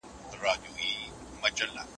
هغه وويل چي د کتابتون د کار مرسته ضروري ده؟